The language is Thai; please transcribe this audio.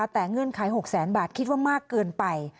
แต่เงื่อนไข๖แสนบาทคิดว่ามากเกินไป